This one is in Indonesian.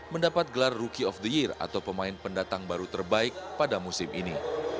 mendapat gelar rookie of the year atau pemain pendatang baru terbaik pada musim ini